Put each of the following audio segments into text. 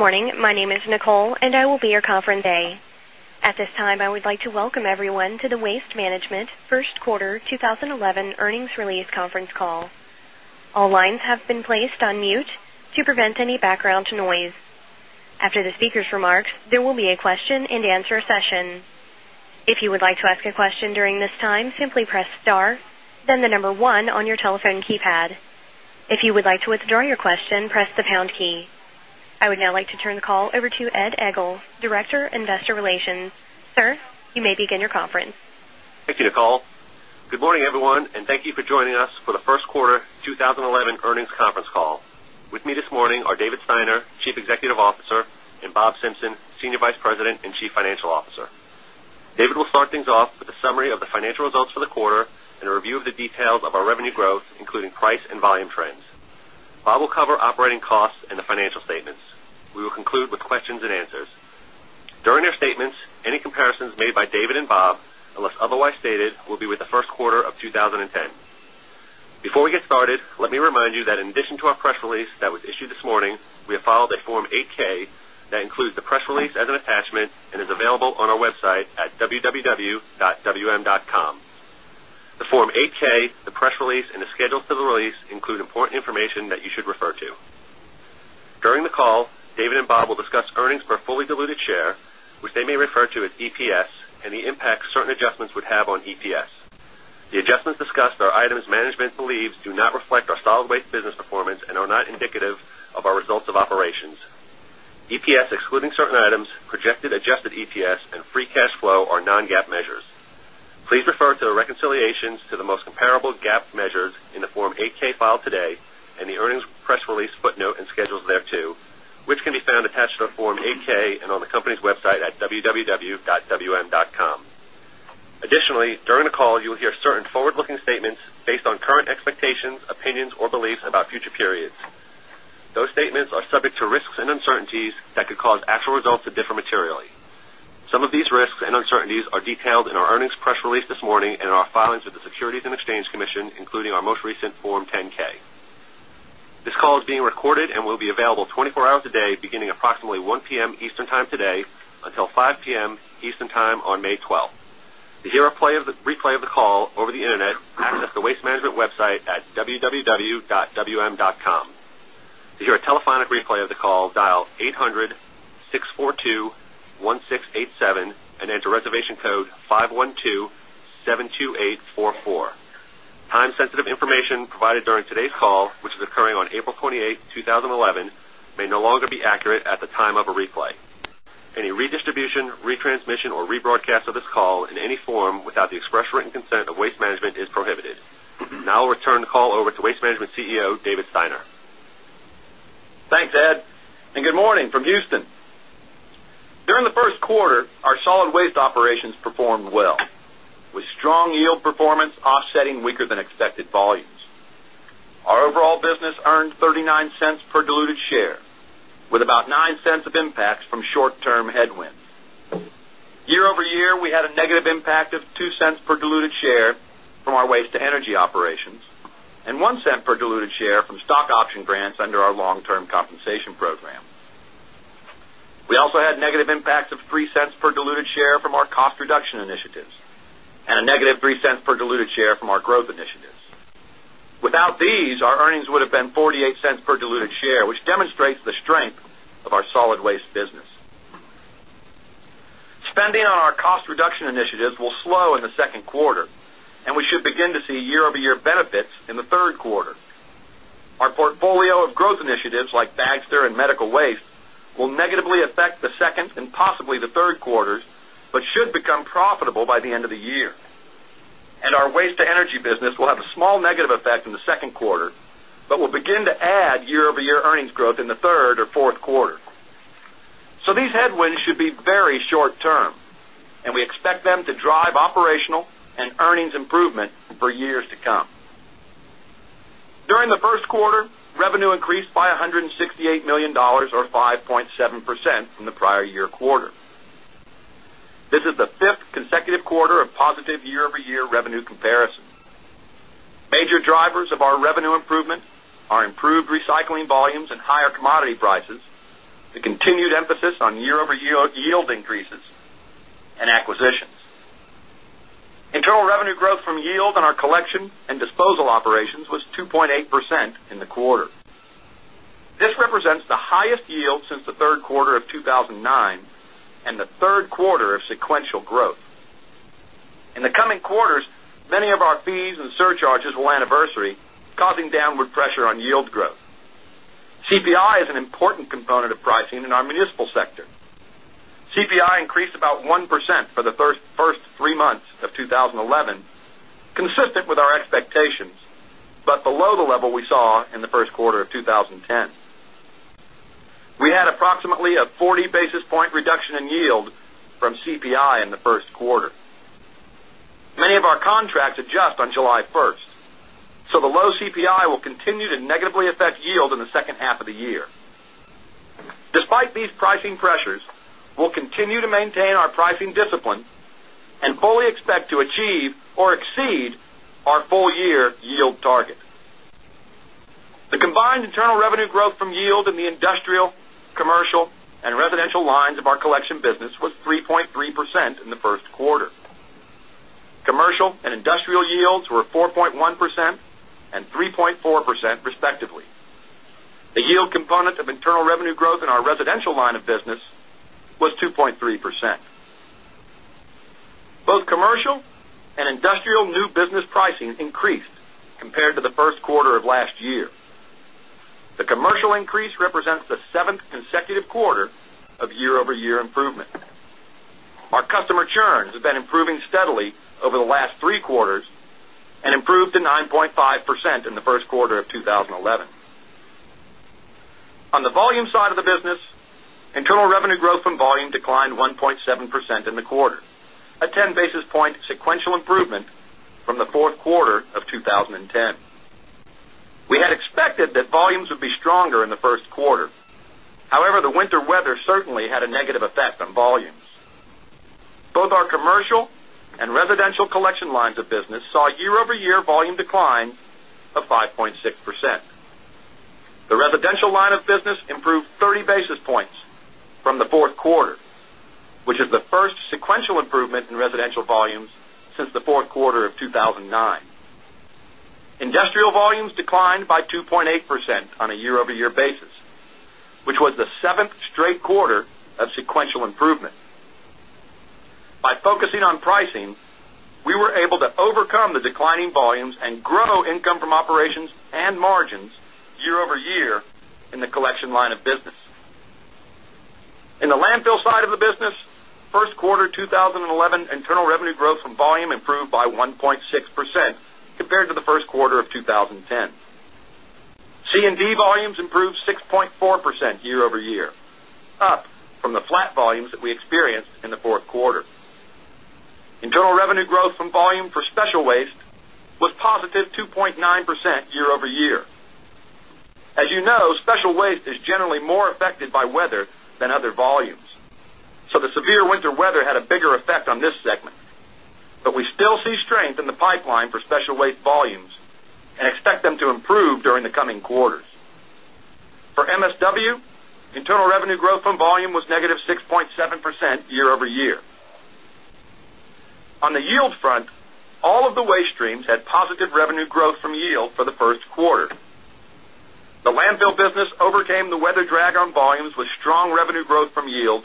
Good morning. My name is Nicole, and I will be your conference aide. At this time, I would like to welcome everyone to the Waste Management First Quarter 2011 Earnings Release Conference Call. All lines have been placed on mute to prevent any background noise. After the speaker's remarks, there will be a question and answer session. If you would like to ask a question during this time, simply press star, then the number one on your telephone keypad. If you would like to withdraw your question, press the pound key. I would now like to turn the call over to Ed Egl, Director of Investor Relations. Sir, you may begin your conference. Thank you, Nicole. Good morning, everyone, and thank you for joining us for the First Quarter 2011 Earnings Conference Call. With me this morning are David Steiner, Chief Executive Officer, and Robert Simpson, Senior Vice President and Chief Financial Officer. David will start things off with a summary of the financial results for the quarter and a review of the details of our revenue growth, including price and volume trends. Robert will cover operating costs and the financial statements. We will conclude with questions and answers. During your statements, any comparisons made by David and Robert, unless otherwise stated, will be with the first quarter of 2010. Before we get started, let me remind you that in addition to our press release that was issued this morning, we have filed a Form 8-K that includes the press release as an attachment and is available on our website at www.wm.com. The Form 8-K, the press release, and the schedule for the release include important information that you should refer to. During the call, David and Robert will discuss earnings per fully diluted share, which they may refer to as EPS, and the impacts certain adjustments would have on EPS. The adjustments discussed are items management believes do not reflect our solid waste business performance and are not indicative of our results of operations. EPS excluding certain items, projected adjusted EPS, and free cash flow are non-GAAP measures. Please refer to the reconciliations to the most comparable GAAP measures in the Form 8-K filed today and the earnings press release footnote and schedules there too, which can be found attached to the Form 8-K and on the company's website at www.wm.com. Additionally, during the call, you will hear certain forward-looking statements based on current expectations, opinions, or beliefs about future periods. Those statements are subject to risks and uncertainties that could cause actual results to differ materially. Some of these risks and uncertainties are detailed in our earnings press release this morning and in our filings with the Securities and Exchange Commission, including our most recent Form 10-K. This call is being recorded and will be available 24 hours a day, beginning approximately 1:00 P.M. Eastern Time today until 5:00 P.M. Eastern Time on May 12th. To hear a replay of the call over the internet, access the Waste Management website at www.wm.com. To hear a telephonic replay of the call, dial 800-642-1687 and enter reservation code 512-72844. Time-sensitive information provided during today's call, which is occurring on April 28th, 2011, may no longer be accurate at the time of a replay. Any redistribution, retransmission, or rebroadcast of this call in any form without the express written consent of Waste Management is prohibited. Now I'll return the call over to Waste Management CEO, David Steiner. Thanks, Ed, and good morning from Houston. During the first quarter, our solid waste operations performed well, with strong yield performance offsetting weaker than expected volumes. Our overall business earned $0.39 per diluted share, with about $0.09 of impacts from short-term headwinds. Year-over-year, we had a negative impact of $0.02 per diluted share from our waste-to-energy operations and $0.01 per diluted share from stock option grants under our long-term compensation program. We also had negative impacts of $0.03 per diluted share from our cost reduction initiatives and a -$0.03 per diluted share from our growth initiatives. Without these, our earnings would have been $0.48 per diluted share, which demonstrates the strength of our solid waste business. Spending on our cost reduction initiatives will slow in the second quarter, and we should begin to see year-over-year benefits in the third quarter. Our portfolio of growth initiatives like Bagster and medical waste management will negatively affect the second and possibly the third quarters, but should become profitable by the end of the year. Our waste-to-energy business will have a small negative effect in the second quarter, but will begin to add year-over-year earnings growth in the third or fourth quarter. These headwinds should be very short-term, and we expect them to drive operational and earnings improvement for years to come. During the first quarter, revenue increased by $168 million, or 5.7% from the prior year quarter. This is the fifth consecutive quarter of positive year-over-year revenue comparison. Major drivers of our revenue improvement are improved recycling volumes and higher commodity prices, the continued emphasis on year-over-year yield increases, and acquisitions. Internal revenue growth from yield on our collection and disposal operations was 2.8% in the quarter. This represents the highest yield since the third quarter of 2009 and the third quarter of sequential growth. In the coming quarters, many of our fees and surcharges will anniversary, causing downward pressure on yield growth. CPI is an important component of pricing in our municipal sector. CPI increased about 1% for the first three months of 2011, consistent with our expectations, but below the level we saw in the first quarter of 2010. We had approximately a 40 basis point reduction in yield from CPI in the first quarter. Many of our contracts adjust on July 1st, so the low CPI will continue to negatively affect yield in the second half of the year. Despite these pricing pressures, we'll continue to maintain our pricing discipline and fully expect to achieve or exceed our full-year yield target. The combined internal revenue growth from yield in the industrial, commercial, and residential lines of our collection business was 3.3% in the first quarter. Commercial and industrial yields were 4.1% and 3.4% respectively. The yield component of internal revenue growth in our residential line of business was 2.3%. Both commercial and industrial new business pricing increased compared to the first quarter of last year. The commercial increase represents the seventh consecutive quarter of year-over-year improvement. Our customer churn has been improving steadily over the last three quarters and improved to 9.5% in the first quarter of 2011. On the volume side of the business, internal revenue growth from volume declined 1.7% in the quarter, a 10 basis point sequential improvement from the fourth quarter of 2010. We had expected that volumes would be stronger in the first quarter. However, the winter weather certainly had a negative effect on volumes. Both our commercial and residential collection lines of business saw year-over-year volume declines of 5.6%. The residential line of business improved 30 basis points from the fourth quarter, which is the first sequential improvement in residential volumes since the fourth quarter of 2009. Industrial volumes declined by 2.8% on a year-over-year basis, which was the seventh straight quarter of sequential improvement. By focusing on pricing, we were able to overcome the declining volumes and grow income from operations and margins year-over-year in the collection line of business. In the landfill side of the business, first quarter 2011 internal revenue growth from volume improved by 1.6% compared to the first quarter of 2010. C&D volumes improved 6.4% year-over-year, up from the flat volumes that we experienced in the fourth quarter. Internal revenue growth from volume for special waste was +2.9% year-over-year. As you know, special waste is generally more affected by weather than other volumes, so the severe winter weather had a bigger effect on this segment. We still see strength in the pipeline for special waste volumes and expect them to improve during the coming quarters. For MSW, internal revenue growth from volume was -6.7% year-over-year. On the yield front, all of the waste streams had positive revenue growth from yield for the first quarter. The landfill business overcame the weather drag on volumes with strong revenue growth from yield,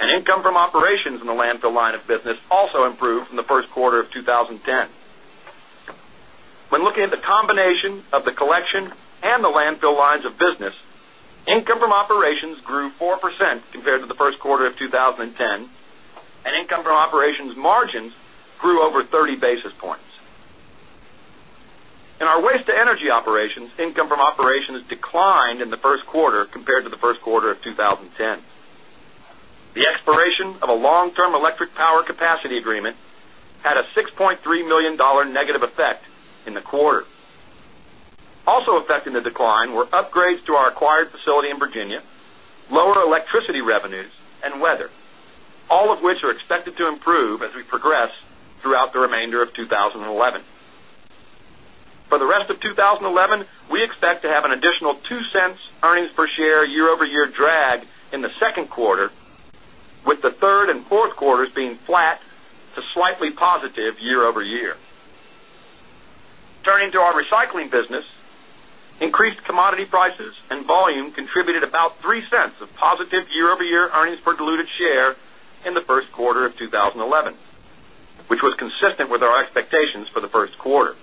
and income from operations in the landfill line of business also improved from the first quarter of 2010. When looking at the combination of the collection and the landfill lines of business, income from operations grew 4% compared to the first quarter of 2010, and income from operations margins grew over 30 basis points. In our waste-to-energy operations, income from operations declined in the first quarter compared to the first quarter of 2010. The expiration of a long-term electric power capacity agreement had a $6.3 million negative effect in the quarter. Also affecting the decline were upgrades to our acquired facility in Virginia, lower electricity revenues, and weather, all of which are expected to improve as we progress throughout the remainder of 2011. For the rest of 2011, we expect to have an additional $0.02 earnings per share year-over-year drag in the second quarter, with the third and fourth quarters being flat to slightly positive year-over-year. Turning to our recycling business, increased commodity prices and volume contributed about $0.03 of positive year-over-year earnings per diluted share in the first quarter of 2011, which was consistent with our expectations for the first quarter.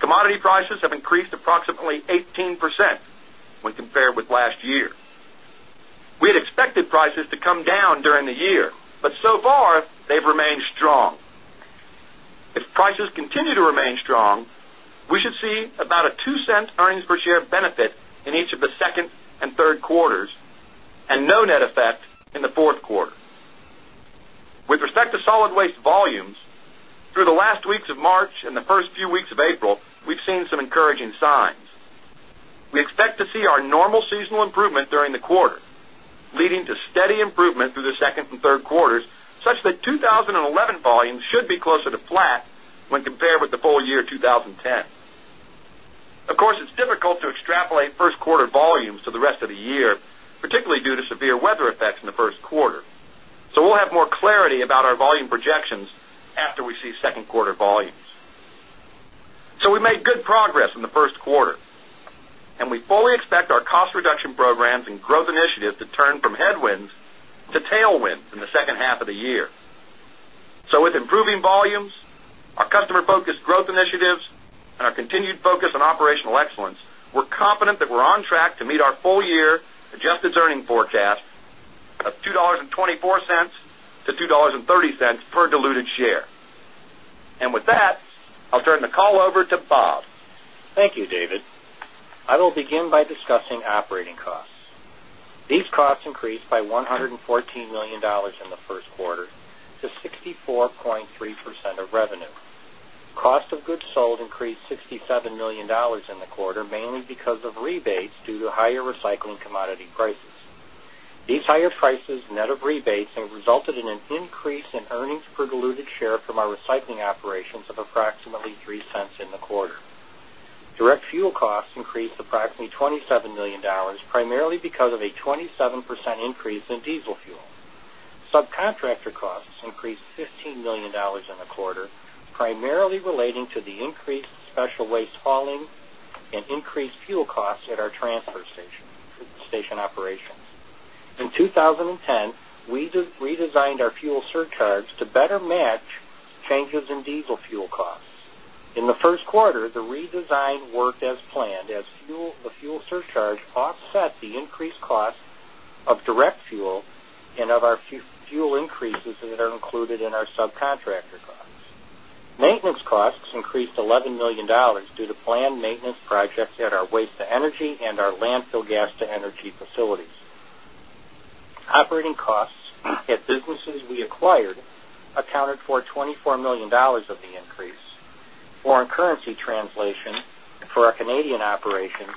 Commodity prices have increased approximately 18% when compared with last year. We had expected prices to come down during the year, but so far they've remained strong. If prices continue to remain strong, we should see about a $0.02 earnings per share benefit in each of the second and third quarters and no net effect in the fourth quarter. With respect to solid waste volumes, through the last weeks of March and the first few weeks of April, we've seen some encouraging signs. We expect to see our normal seasonal improvement during the quarter, leading to steady improvement through the second and third quarters, such that 2011 volumes should be closer to flat when compared with the full year 2010. Of course, it's difficult to extrapolate first quarter volumes to the rest of the year, particularly due to severe weather effects in the first quarter. We will have more clarity about our volume projections after we see second quarter volumes. We made good progress in the first quarter, and we fully expect our cost reduction programs and growth initiatives to turn from headwinds to tailwinds in the second half of the year. With improving volumes, our customer-focused growth initiatives, and our continued focus on operational excellence, we're confident that we're on track to meet our full-year adjusted earnings forecast of $2.24-$2.30 per diluted share. With that, I'll turn the call over to Bob. Thank you, David. I will begin by discussing operating costs. These costs increased by $114 million in the first quarter to 64.3% of revenue. Cost of goods sold increased $67 million in the quarter, mainly because of rebates due to higher recycling commodity prices. These higher prices net of rebates have resulted in an increase in earnings per diluted share from our recycling operations of approximately $0.03 in the quarter. Direct fuel costs increased approximately $27 million, primarily because of a 27% increase in diesel fuel. Subcontractor costs increased $16 million in the quarter, primarily relating to the increased special waste hauling and increased fuel costs at our transfer station operations. In 2010, we redesigned our fuel surcharge to better match changes in diesel fuel costs. In the first quarter, the redesign worked as planned, as the fuel surcharge offset the increased cost of direct fuel and of our fuel increases that are included in our subcontractor costs. Maintenance costs increased $11 million due to planned maintenance projects at our waste-to-energy and our landfill gas-to-energy facilities. Operating costs at businesses we acquired accounted for $24 million of the increase. Foreign currency translation for our Canadian operations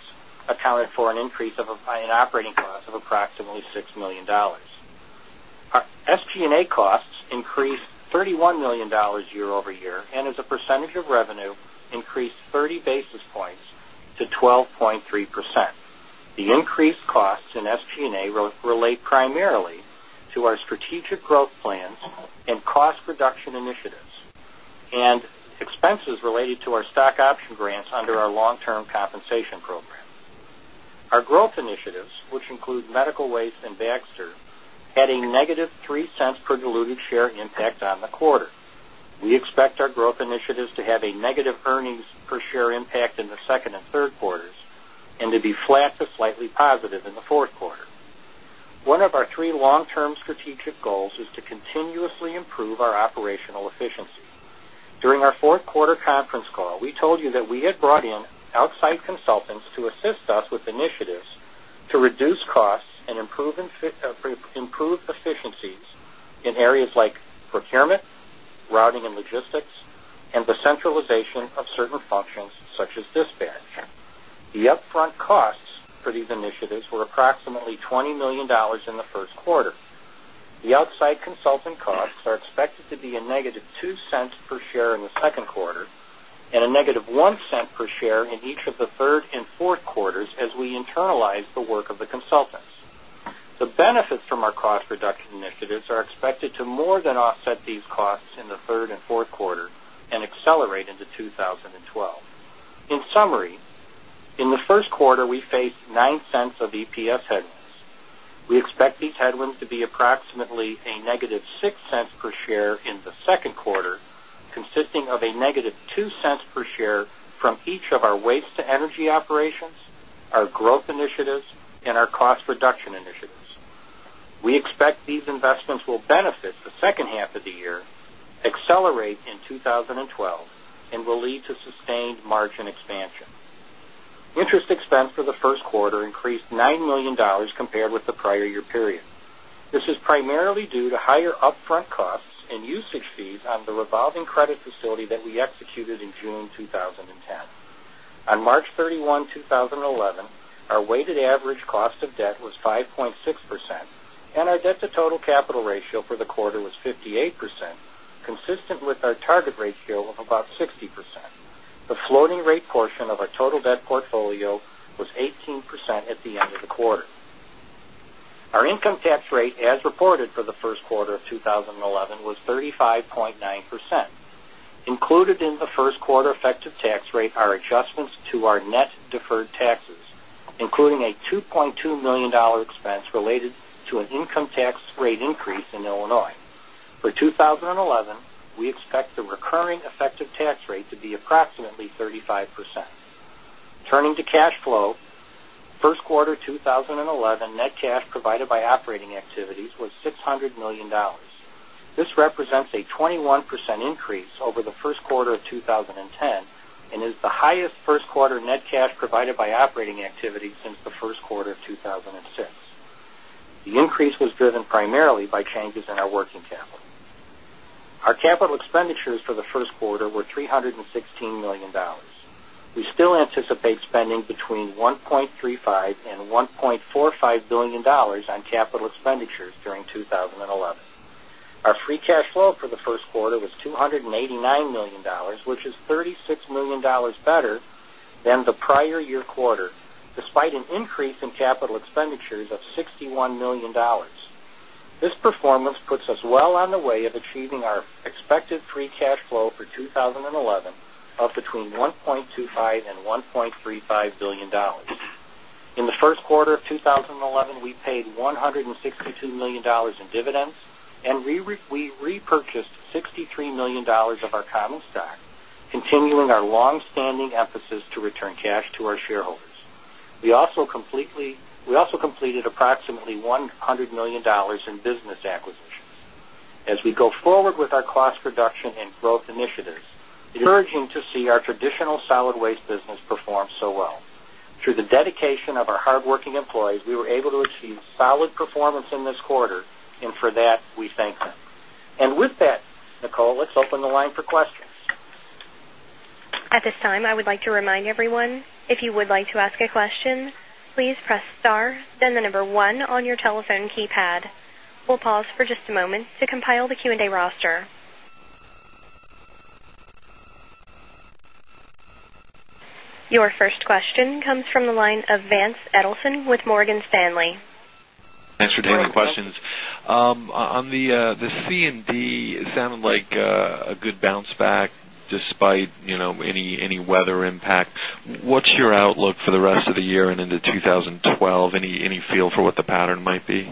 accounted for an increase of an operating cost of approximately $6 million. Our SG&A costs increased $31 million year-over-year, and as a percentage of revenue, increased 30 basis points to 12.3%. The increased costs in SG&A relate primarily to our strategic growth plans and cost reduction initiatives and expenses related to our stock option grants under our long-term compensation program. Our growth initiatives, which include medical waste management and Bagster, had a -$0.03 per diluted share impact on the quarter. We expect our growth initiatives to have a negative earnings per share impact in the second and third quarters and to be flat to slightly positive in the fourth quarter. One of our three long-term strategic goals is to continuously improve our operational efficiency. During our fourth quarter conference call, we told you that we had brought in external consulting to assist us with initiatives to reduce costs and improve efficiencies in areas like procurement, routing, and logistics optimization, and the centralization of certain functions, such as dispatch. The upfront costs for these initiatives were approximately $20 million in the first quarter. The outside consultant costs are expected to be a -$0.02 per share in the second quarter and a -$0.01 per share in each of the third and fourth quarters as we internalize the work of the consultants. The benefits from our cost reduction initiatives are expected to more than offset these costs in the third and fourth quarter and accelerate into 2012. In summary, in the first quarter, we faced $0.09 of EPS headwinds. We expect these headwinds to be approximately a -$0.06 per share in the second quarter, consisting of a -$0.02 per share from each of our waste-to-energy operations, our growth initiatives, and our cost reduction initiatives. We expect these investments will benefit the second half of the year, accelerate in 2012, and will lead to sustained margin expansion. Interest expense for the first quarter increased $9 million compared with the prior year period. This is primarily due to higher upfront costs and usage fees on the revolving credit facility that we executed in June 2010. On March 31, 2011, our weighted average cost of debt was 5.6%, and our debt-to-total capital ratio for the quarter was 58%, consistent with our target ratio of about 60%. The floating rate portion of our total debt portfolio was 18% at the end of the quarter. Our income tax rate, as reported for the first quarter of 2011, was 35.9%. Included in the first quarter effective tax rate are adjustments to our net deferred taxes, including a $2.2 million expense related to an income tax rate increase in Illinois. For 2011, we expect the recurring effective tax rate to be approximately 35%. Turning to cash flow, first quarter 2011 net cash provided by operating activities was $600 million. This represents a 21% increase over the first quarter of 2010 and is the highest first quarter net cash provided by operating activities since the first quarter of 2006. The increase was driven primarily by changes in our working capital. Our capital expenditures for the first quarter were $316 million. We still anticipate spending between $1.35 billion and $1.45 billion on capital expenditures during 2011. Our free cash flow for the first quarter was $289 million, which is $36 million better than the prior year quarter, despite an increase in capital expenditures of $61 million. This performance puts us well on the way of achieving our expected free cash flow for 2011 of between $1.25 billion and $1.35 billion. In the first quarter of 2011, we paid $162 million in dividends, and we repurchased $63 million of our common stock, continuing our long-standing emphasis to return cash to our shareholders. We also completed approximately $100 million in business acquisitions. As we go forward with our cost reduction and growth initiatives, it is encouraging to see our traditional solid waste business perform so well. Through the dedication of our hardworking employees, we were able to achieve solid performance in this quarter, and for that, we thank them. Nicole, let's open the line for questions. At this time, I would like to remind everyone, if you would like to ask a question, please press star, then the number one on your telephone keypad. We'll pause for just a moment to compile the Q&A roster. Your first question comes from the line of Vance Edelson with Morgan Stanley. Thanks for taking the questions. On the C&D, it sounded like a good bounce back despite any weather impact. What's your outlook for the rest of the year and into 2012? Any feel for what the pattern might be?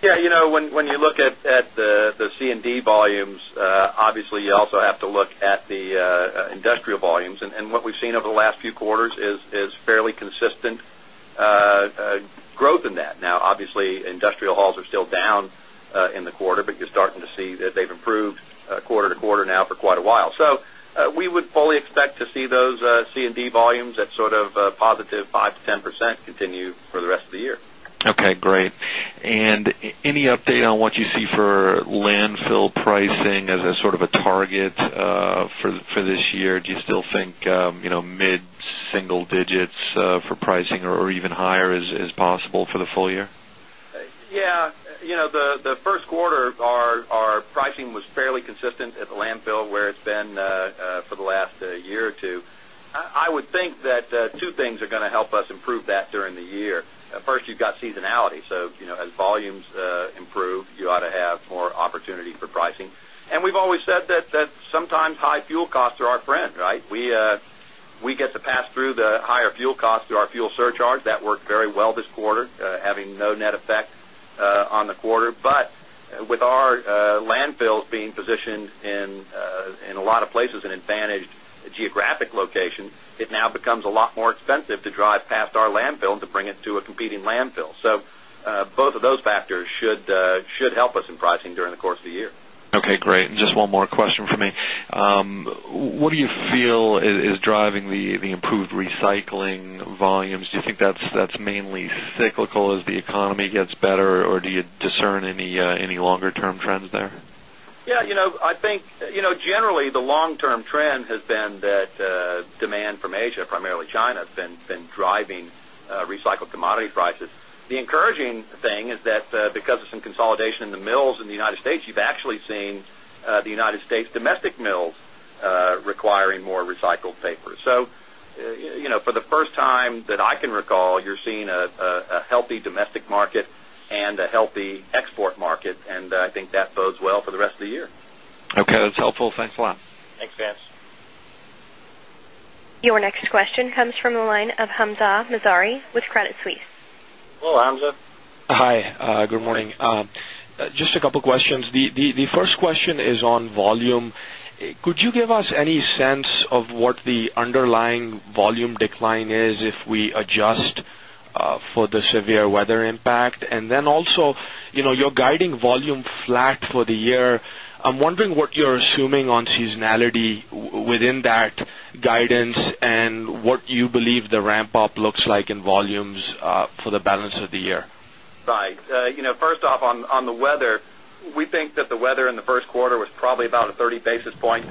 Yeah, you know, when you look at the C&D volumes, obviously, you also have to look at the industrial volumes. What we've seen over the last few quarters is fairly consistent growth in that. Now, obviously, industrial hauls are still down in the quarter, but you're starting to see that they've improved quarter to quarter now for quite a while. We would fully expect to see those C&D volumes at sort of +5%, 10% continue for the rest of the year. Okay, great. Any update on what you see for landfill pricing as a sort of a target for this year? Do you still think mid-single digits for pricing or even higher is possible for the full year? Yeah, you know, the first quarter, our pricing was fairly consistent at the landfill where it's been for the last year or two. I would think that two things are going to help us improve that during the year. First, you've got seasonality. As volumes improve, you ought to have more opportunity for pricing. We've always said that sometimes high fuel costs are our friend, right? We get to pass through the higher fuel costs through our fuel surcharge. That worked very well this quarter, having no net effect on the quarter. With our landfills being positioned in a lot of places and advantaged geographic locations, it now becomes a lot more expensive to drive past our landfill and to bring it to a competing landfill. Both of those factors should help us in pricing during the course of the year. Okay, great. Just one more question for me. What do you feel is driving the improved recycling volumes? Do you think that's mainly cyclical as the economy gets better, or do you discern any longer-term trends there? I think, generally, the long-term trend has been that demand from Asia, primarily China, has been driving recycled commodity prices. The encouraging thing is that because of some consolidation in the mills in the United States, you've actually seen the United States' domestic mills requiring more recycled papers. For the first time that I can recall, you're seeing a healthy domestic market and a healthy export market, and I think that bodes well for the rest of the year. Okay, that's helpful. Thanks a lot. Thanks, Vance. Your next question comes from the line of Hamzah Mazari with Credit Suisse. Hello, Hamzah. Hi, good morning. Just a couple of questions. The first question is on volume. Could you give us any sense of what the underlying volume decline is if we adjust for the severe weather impact? Also, you're guiding volume flat for the year. I'm wondering what you're assuming on seasonality within that guidance and what you believe the ramp-up looks like in volumes for the balance of the year. Right. First off, on the weather, we think that the weather in the first quarter was probably about a 30 basis points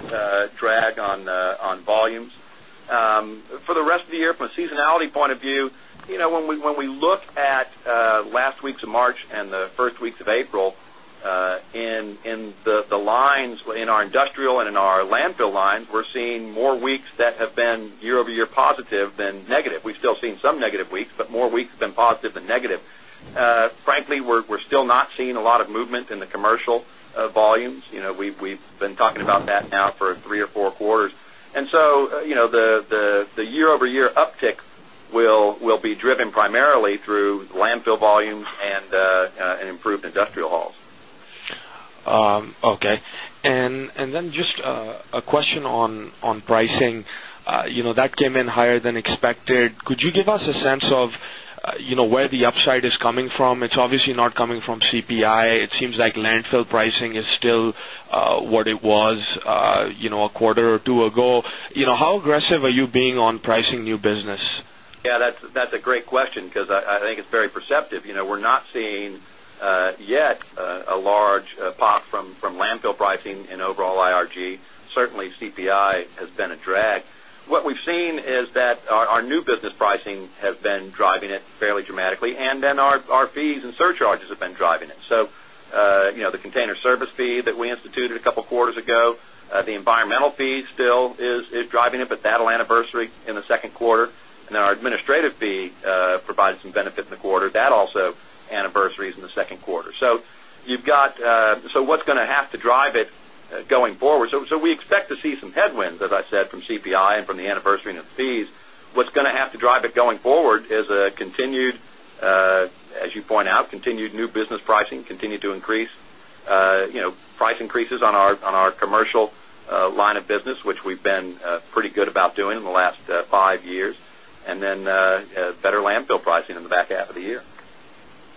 drag on volumes. For the rest of the year, from a seasonality point of view, when we look at last week's March and the first weeks of April, in the lines in our industrial and in our landfill line, we're seeing more weeks that have been year-over-year positive than negative. We've still seen some negative weeks, but more weeks have been positive than negative. Frankly, we're still not seeing a lot of movement in the commercial volumes. We've been talking about that now for three or four quarters. The year-over-year uptick will be driven primarily through the landfill volumes and improved industrial hauls. Okay. Just a question on pricing. That came in higher than expected. Could you give us a sense of where the upside is coming from? It's obviously not coming from CPI. It seems like landfill pricing is still what it was a quarter or two ago. How aggressive are you being on pricing new business? Yeah, that's a great question because I think it's very perceptive. We're not seeing yet a large pop from landfill pricing in overall IRG. Certainly, CPI has been a drag. What we've seen is that our new business pricing has been driving it fairly dramatically, and then our fees and surcharges have been driving it. The container service fee that we instituted a couple of quarters ago, the environmental fee still is driving it, but that'll anniversary in the second quarter. Our administrative fee provides some benefit in the quarter. That also anniversaries in the second quarter. What's going to have to drive it going forward? We expect to see some headwinds, as I said, from CPI and from the anniversary of fees. What's going to have to drive it going forward is a continued, as you point out, continued new business pricing continue to increase. Price increases on our commercial line of business, which we've been pretty good about doing in the last five years, and then better landfill pricing in the back half of the year.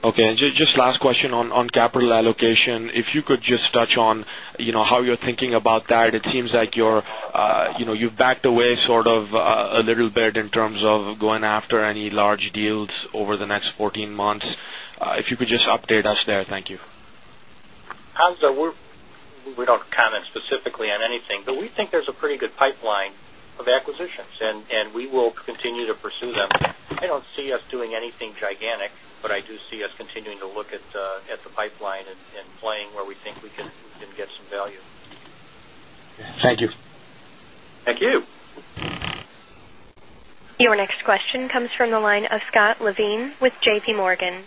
Okay. Just last question on capital allocation. If you could just touch on, you know, how you're thinking about that. It seems like you're, you know, you've backed away sort of a little bit in terms of going after any large deals over the next 14 months. If you could just update us there, thank you. Hamzah, we don't comment specifically on anything, but we think there's a pretty good pipeline of acquisitions, and we will continue to pursue them. I don't see us doing anything gigantic, but I do see us continuing to look at the pipeline and playing where we think we can get some value. Thank you. Thank you. Your next question comes from the line of Scott Levine with JPMorgan.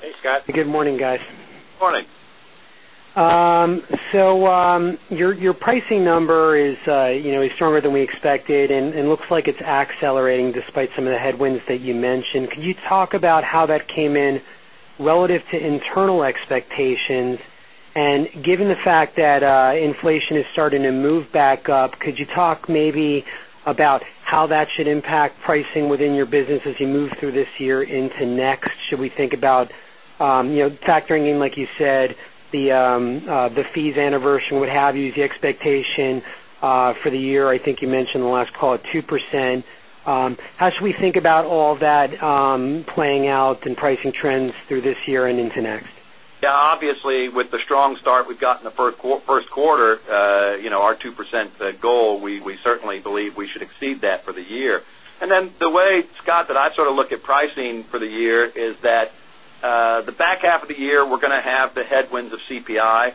Hey, Scott. Hey, good morning, guys. Good morning. Your pricing number is stronger than we expected, and it looks like it's accelerating despite some of the headwinds that you mentioned. Could you talk about how that came in relative to internal expectations? Given the fact that inflation is starting to move back up, could you talk maybe about how that should impact pricing within your business as you move through this year into next? Should we think about, like you said, the fees anniversary, what have you, the expectation for the year? I think you mentioned in the last call at 2%. How should we think about all that playing out and pricing trends through this year and into next? Yeah, obviously, with the strong start we've got in the first quarter, you know, our 2% goal, we certainly believe we should exceed that for the year. The way, Scott, that I sort of look at pricing for the year is that the back half of the year, we're going to have the headwinds of CPI,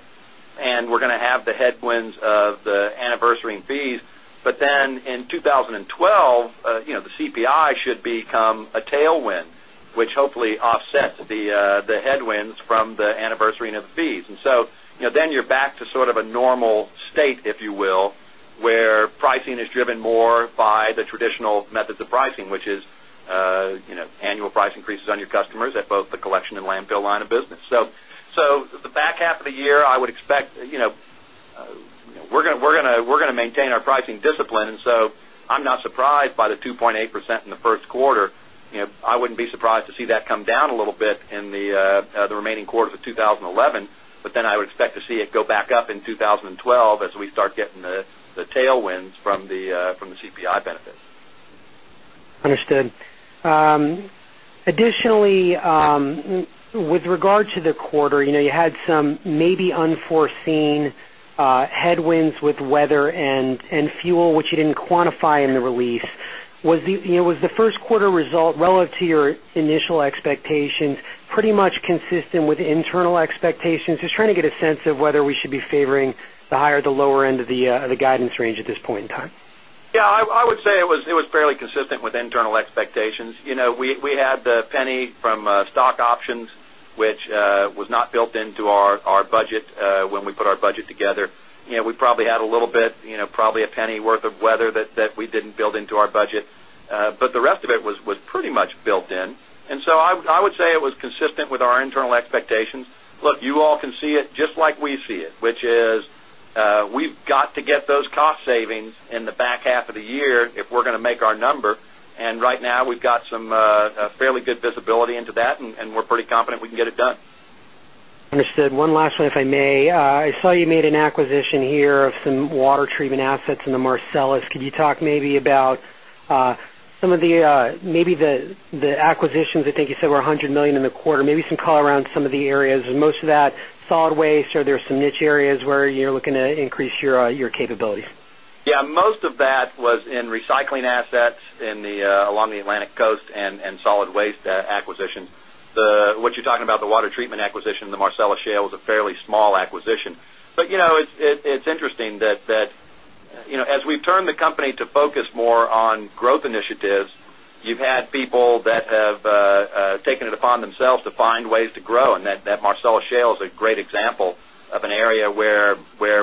and we're going to have the headwinds of the anniversary and fees. In 2012, you know, the CPI should become a tailwind, which hopefully offsets the headwinds from the anniversary and of the fees. You know, then you're back to sort of a normal state, if you will, where pricing is driven more by the traditional methods of pricing, which is, you know, annual price increases on your customers at both the collection and landfill line of business. The back half of the year, I would expect, you know, we're going to maintain our pricing discipline. I'm not surprised by the 2.8% in the first quarter. You know, I wouldn't be surprised to see that come down a little bit in the remaining quarters of 2011, but then I would expect to see it go back up in 2012 as we start getting the tailwinds from the CPI benefit. Additionally, with regard to the quarter, you know, you had some maybe unforeseen headwinds with weather and fuel, which you didn't quantify in the release. Was the first quarter result relative to your initial expectations pretty much consistent with internal expectations? Just trying to get a sense of whether we should be favoring the higher or the lower end of the guidance range at this point in time. Yeah, I would say it was fairly consistent with internal expectations. We had the penny from stock options, which was not built into our budget when we put our budget together. We probably had a little bit, probably a penny worth of weather that we didn't build into our budget. The rest of it was pretty much built in. I would say it was consistent with our internal expectations. You all can see it just like we see it, which is we've got to get those cost savings in the back half of the year if we're going to make our number. Right now, we've got some fairly good visibility into that, and we're pretty confident we can get it done. Understood. One last one, if I may. I saw you made an acquisition here of some water treatment assets in the Marcellus. Could you talk maybe about some of the acquisitions? I think you said were $100 million in the quarter. Maybe some color around some of the areas. Was most of that solid waste, or are there some niche areas where you're looking to increase your capabilities? Yeah, most of that was in recycling assets along the Atlantic Coast and solid waste acquisitions. What you're talking about, the water treatment acquisition in the Marcellus Shale was a fairly small acquisition. It's interesting that, as we've turned the company to focus more on growth initiatives, you've had people that have taken it upon themselves to find ways to grow. That Marcellus Shale is a great example of an area where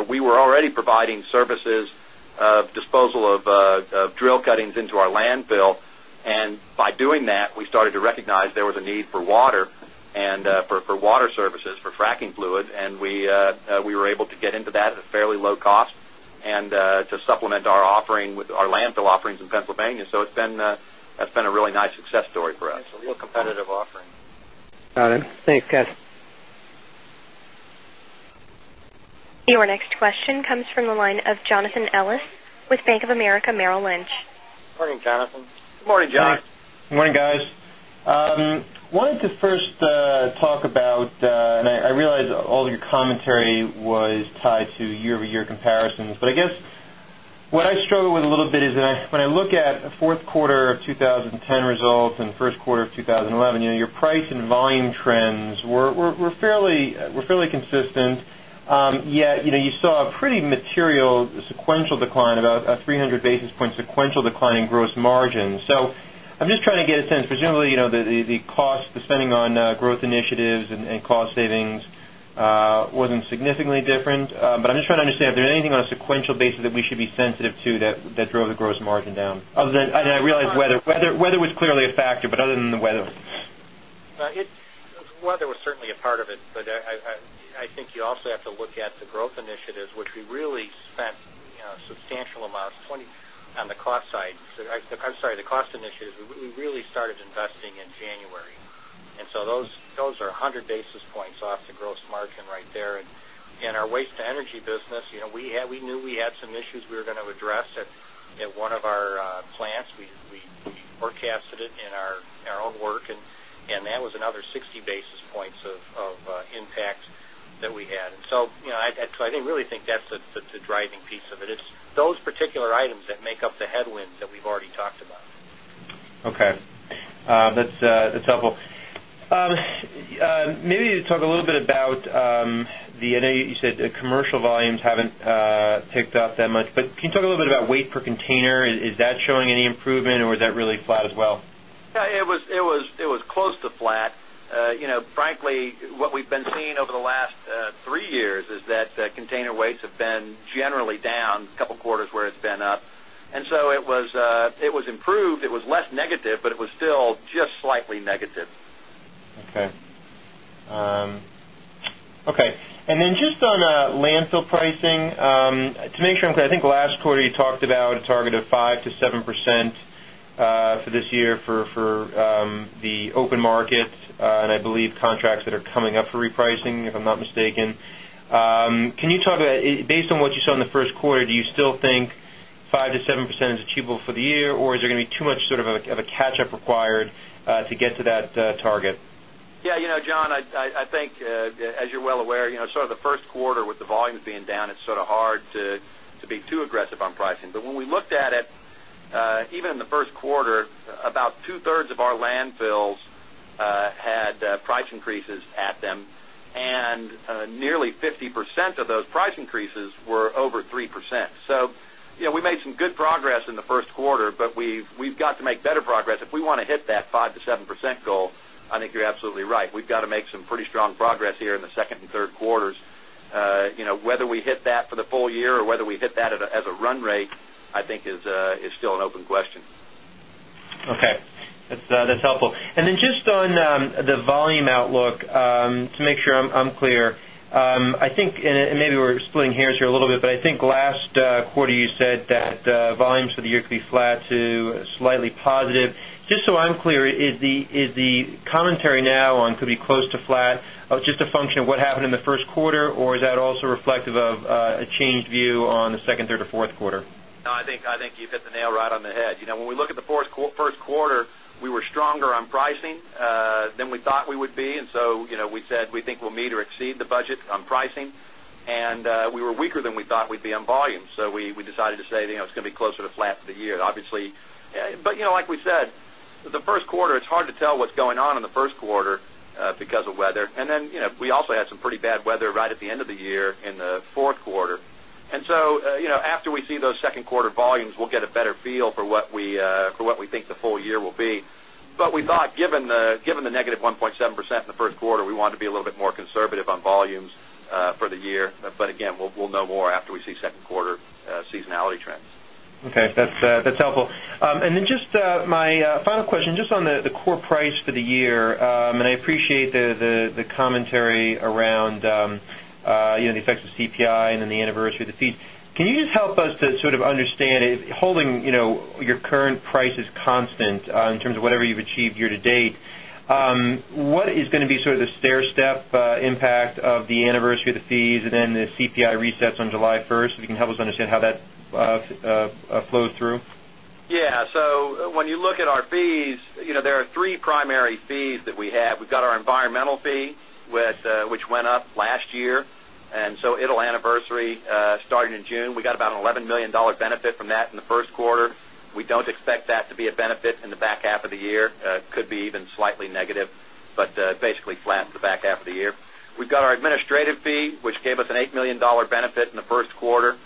we were already providing services of disposal of drill cuttings into our landfill. By doing that, we started to recognize there was a need for water and for water services, for fracking fluid. We were able to get into that at a fairly low cost and to supplement our offering with our landfill offerings in Pennsylvania. It's been a really nice success story for us. It's a real competitive offering. Got it. Thanks, guys. Your next question comes from the line of Jonathan Ellis with Bank of America Merrill Lynch. Morning, Jonathan. Good morning, John. Morning, guys. Wanted to first talk about, and I realized all of your commentary was tied to year-over-year comparisons, but I guess what I struggle with a little bit is that when I look at the fourth quarter of 2010 results and the first quarter of 2011, you know, your price and volume trends were fairly consistent. Yet, you know, you saw a pretty material sequential decline, about a 300 basis point sequential decline in gross margins. I'm just trying to get a sense. Presumably, you know, the cost spending on growth initiatives and cost savings wasn't significantly different. I'm just trying to understand if there's anything on a sequential basis that we should be sensitive to that drove the gross margin down. Other than, and I realize weather was clearly a factor, other than the weather. Weather was certainly a part of it, but I think you also have to look at the growth initiatives, which we really spent substantial amounts on the cost side. I'm sorry, the cost initiatives, we really started investing in January. Those are 100 basis points off the gross margin right there. Our waste-to-energy business, you know, we knew we had some issues we were going to address at one of our plants. We forecasted it in our own work, and that was another 60 basis points of impact that we had. I really think that's the driving piece of it. It's those particular items that make up the headwinds that we've already talked about. Okay. That's helpful. Maybe you could talk a little bit about the, I know you said the commercial volumes haven't picked up that much, but can you talk a little bit about weight per container? Is that showing any improvement, or is that really flat as well? Yeah, it was close to flat. Frankly, what we've been seeing over the last three years is that container weights have been generally down, a couple of quarters where it's been up. It was improved. It was less negative, but it was still just slightly negative. Okay. Okay. On landfill pricing, to make sure I'm clear, I think last quarter you talked about a target of 5%-7% for this year for the open markets, and I believe contracts that are coming up for repricing, if I'm not mistaken. Can you talk about, based on what you saw in the first quarter, do you still think 5%-7% is achievable for the year, or is there going to be too much sort of a catch-up required to get to that target? Yeah, you know, John, I think, as you're well aware, the first quarter with the volumes being down, it's sort of hard to be too aggressive on pricing. When we looked at it, even in the first quarter, about two-thirds of our landfills had price increases at them, and nearly 50% of those price increases were over 3%. We made some good progress in the first quarter, but we've got to make better progress if we want to hit that 5%-7% goal. I think you're absolutely right. We've got to make some pretty strong progress here in the second and third quarters. Whether we hit that for the full year or whether we hit that as a run rate, I think is still an open question. Okay. That's helpful. Just on the volume outlook, to make sure I'm clear, I think, and maybe we're splitting hairs here a little bit, but I think last quarter you said that volumes for the year could be flat to slightly positive. Just so I'm clear, is the commentary now on could be close to flat just a function of what happened in the first quarter, or is that also reflective of a changed view on the second, third, or fourth quarter? No, I think you've hit the nail right on the head. You know, when we look at the first quarter, we were stronger on pricing than we thought we would be. We said we think we'll meet or exceed the budget on pricing, and we were weaker than we thought we'd be on volume. We decided to say it's going to be closer to flat for the year, obviously. Like we said, the first quarter, it's hard to tell what's going on in the first quarter because of weather. We also had some pretty bad weather right at the end of the year in the fourth quarter. After we see those second quarter volumes, we'll get a better feel for what we think the full year will be. We thought, given the -1.7% in the first quarter, we wanted to be a little bit more conservative on volumes for the year. Again, we'll know more after we see second quarter seasonality trends. Okay, that's helpful. Just my final question, on the core price for the year, I appreciate the commentary around the effects of CPI and the anniversary of the fees. Can you help us to sort of understand, holding your current prices constant in terms of whatever you've achieved year to date, what is going to be the stairstep impact of the anniversary of the fees and the CPI resets on July 1st? If you can help us understand how that flows through. Yeah, so when you look at our fees, you know, there are three primary fees that we have. We've got our environmental fee, which went up last year, and it'll anniversary starting in June. We got about an $11 million benefit from that in the first quarter. We don't expect that to be a benefit in the back half of the year. It could be even slightly negative, but basically flat in the back half of the year. We've got our administrative fee, which gave us an $8 million benefit in the first quarter,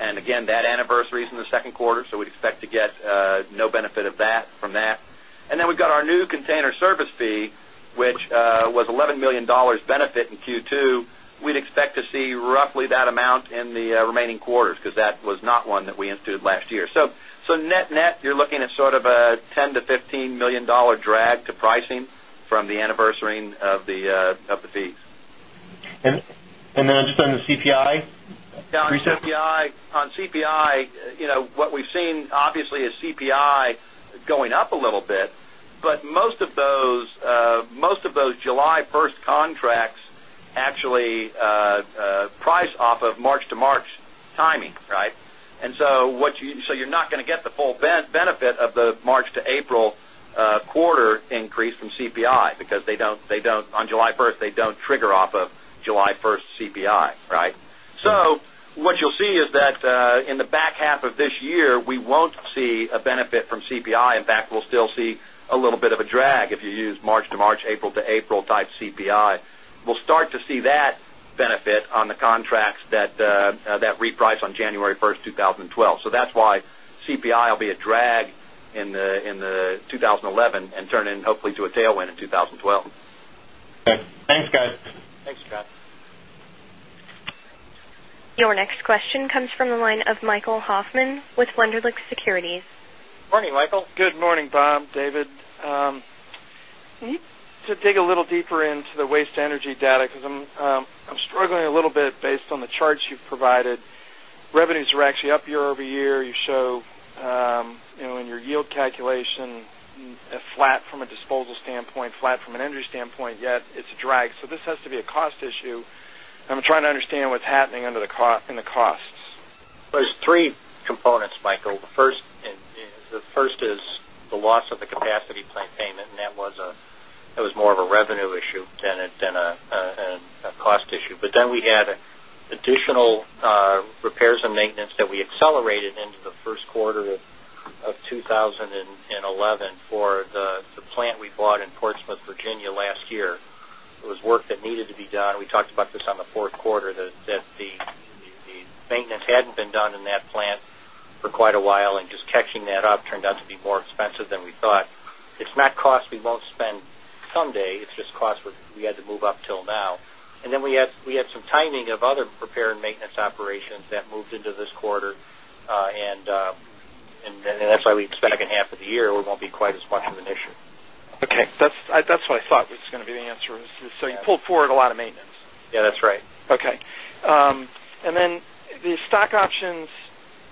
and again, that anniversary is in the second quarter, so we'd expect to get no benefit from that. We've got our new container service fee, which was an $11 million benefit in Q2. We'd expect to see roughly that amount in the remaining quarters because that was not one that we instituted last year. Net-net, you're looking at sort of a $10 million-$15 million drag to pricing from the anniversary of the fees. On the CPI, recent. On CPI, you know, what we've seen obviously is CPI going up a little bit, but most of those July 1st contracts actually price off of March to March timing, right? You're not going to get the full benefit of the March to April quarter increase from CPI because they don't, on July 1st, trigger off of July 1st CPI, right? What you'll see is that in the back half of this year, we won't see a benefit from CPI. In fact, we'll still see a little bit of a drag if you use March to March, April to April type CPI. We'll start to see that benefit on the contracts that reprice on January 1st, 2012. That's why CPI will be a drag in 2011 and turn in hopefully to a tailwind in 2012. Got it. Thanks, guys. Thanks, John. Your next question comes from the line of Michael Hoffman with Wunderlich Securities. Morning, Michael. Good morning, Bob, David. To dig a little deeper into the waste-to-energy data, because I'm struggling a little bit based on the charts you've provided. Revenues are actually up year-over-year. You show, you know, in your yield calculation, flat from a disposal standpoint, flat from an energy standpoint, yet it's a drag. This has to be a cost issue. I'm trying to understand what's happening in the costs. First three components, Michael. The first is the loss of the capacity plane payment, and that was more of a revenue issue than a cost issue. We had additional repairs and maintenance that we accelerated into the first quarter of 2011 for the plant we bought in Portsmouth, Virginia, last year. It was work that needed to be done. We talked about this in the fourth quarter, that the maintenance hadn't been done in that plant for quite a while, and just catching that up turned out to be more expensive than we thought. It's not cost we won't spend someday. It's just cost we had to move up till now. We had some timing of other repair and maintenance operations that moved into this quarter, and that's why we expect in half of the year, it won't be quite as much of an issue. Okay, that's what I thought was going to be the answer. You pulled forward a lot of maintenance. Yeah, that's right. Okay. The stock options,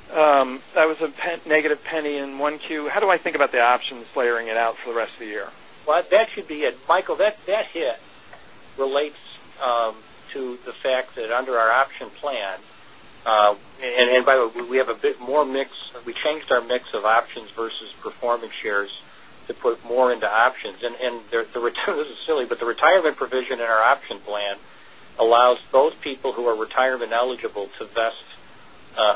that was a -$0.01 in Q1. How do I think about the options layering it out for the rest of the year? That should be it. Michael, that hit relates to the fact that under our option plan, and by the way, we have a bit more mix. We changed our mix of options versus performance shares to put more into options. The return isn't silly, but the retirement provision in our option plan allows both people who are retirement eligible to vest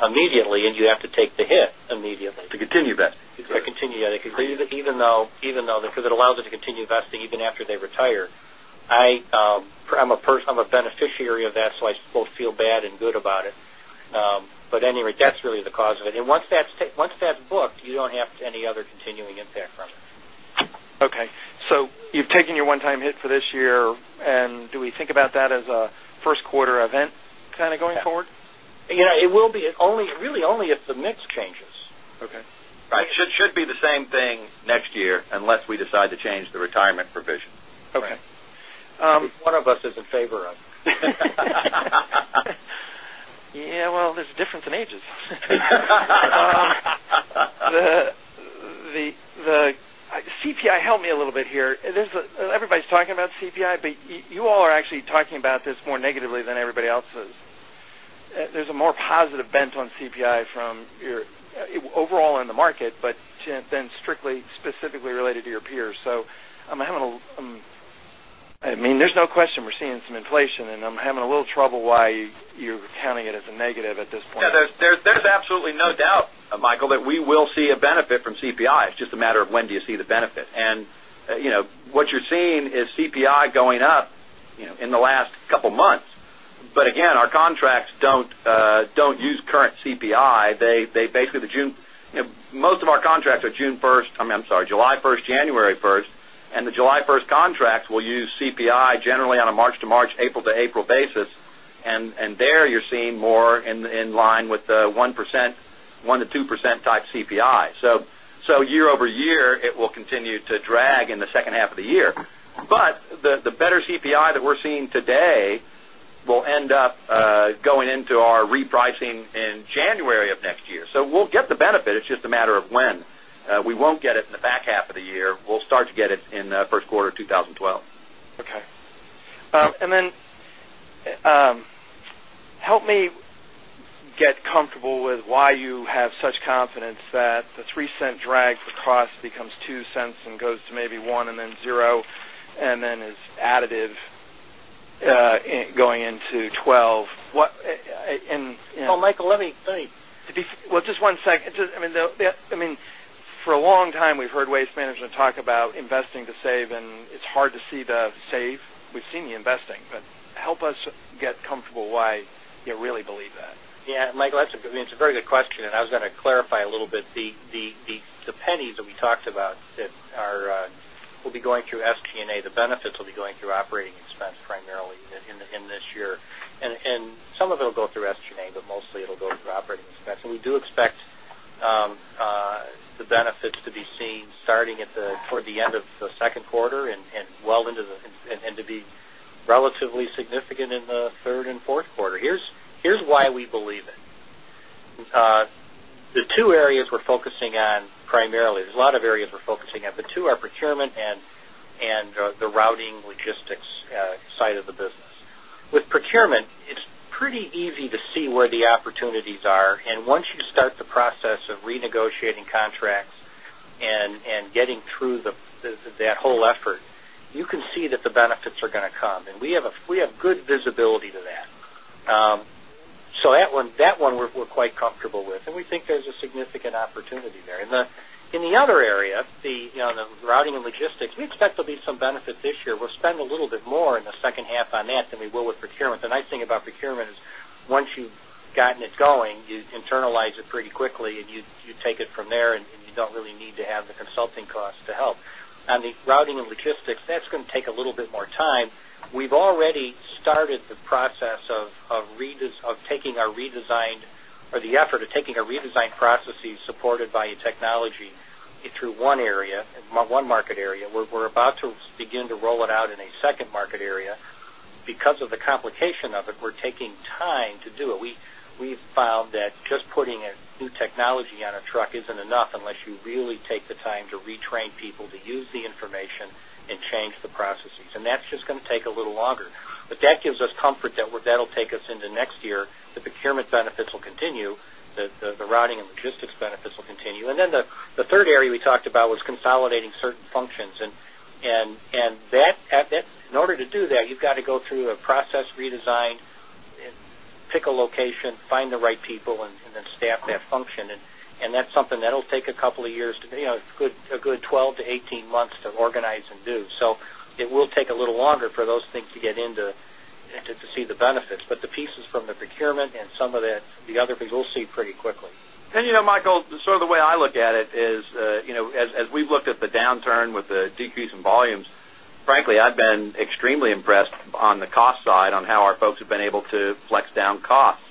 immediately, and you have to take the hit immediately. To continue vesting. To continue, yeah. Even though that allows them to continue vesting even after they retire, I'm a person, I'm a beneficiary of that, so I both feel bad and good about it. Anyway, that's really the cause of it. Once that's booked, you don't have any other continuing impact from it. Okay. You've taken your one-time hit for this year, and do we think about that as a first quarter event going forward? It will be only if the mix changes. Okay. Right. It should be the same thing next year unless we decide to change the retirement provision. Okay. Which one of us is in favor of? Yeah, there's a difference in ages. The CPI helped me a little bit here. Everybody's talking about CPI, but you all are actually talking about this more negatively than everybody else is. There's a more positive bent on CPI from your overall in the market, but then strictly specifically related to your peers. I'm having a, I mean, there's no question we're seeing some inflation, and I'm having a little trouble why you're counting it as a negative at this point. Yeah, there's absolutely no doubt, Michael, that we will see a benefit from CPI. It's just a matter of when you see the benefit. You know, what you're seeing is CPI going up in the last couple of months. Our contracts don't use current CPI. They basically, most of our contracts are July 1st, January 1st. The July 1st contracts will use CPI generally on a March to March, April to April basis. There you're seeing more in line with the 1%, 1%-2% type CPI. Year-over-year, it will continue to drag in the second half of the year. The better CPI that we're seeing today will end up going into our repricing in January of next year. We'll get the benefit. It's just a matter of when. We won't get it in the back half of the year. We'll start to get it in the first quarter of 2012. Okay. Help me get comfortable with why you have such confidence that the $0.03 drag becomes $0.02 and goes to maybe $0.01 and then $0.00, and then is additive going into 2012. Michael, let me see. For a long time, we've heard Waste Management talk about investing to save, and it's hard to see the save. We've seen the investing, but help us get comfortable why you really believe that. Yeah, Michael, that's a very good question. I was going to clarify a little bit. The pennies that we talked about will be going through SG&A. The benefits will be going through operating expense primarily in this year. Some of it will go through SG&A, but mostly it'll go through operating expense. We do expect the benefits to be seen starting toward the end of the second quarter and well into the end to be relatively significant in the third and fourth quarter. Here's why we believe it. The two areas we're focusing on primarily, there's a lot of areas we're focusing on, but two are procurement and the routing logistics side of the business. With procurement, it's pretty easy to see where the opportunities are. Once you start the process of renegotiating contracts and getting through that whole effort, you can see that the benefits are going to come. We have good visibility to that. That one, we're quite comfortable with. We think there's a significant opportunity there. In the other area, the routing and logistics, we expect there'll be some benefits this year. We'll spend a little bit more in the second half on that than we will with procurement. The nice thing about procurement is once you've gotten it going, you internalize it pretty quickly, and you take it from there, and you don't really need to have the consulting costs to help. On the routing and logistics, that's going to take a little bit more time. We've already started the process of taking our redesigned or the effort of taking our redesigned processes supported by a technology through one area, one market area. We're about to begin to roll it out in a second market area. Because of the complication of it, we're taking time to do it. We've found that just putting a new technology on a truck isn't enough unless you really take the time to retrain people to use the information and change the processes. That's just going to take a little longer. That gives us comfort that that'll take us into next year. The procurement benefits will continue. The routing and logistics benefits will continue. The third area we talked about was consolidating certain functions. In order to do that, you've got to go through a process redesign, pick a location, find the right people, and then staff that function. That's something that'll take a couple of years, a good 12 months-18 months to organize and do. It will take a little longer for those things to get in to see the benefits. The pieces from the procurement and some of the other things we'll see pretty quickly. You know, Michael, the way I look at it is, as we've looked at the downturn with the decrease in volumes, frankly, I've been extremely impressed on the cost side on how our folks have been able to flex down costs.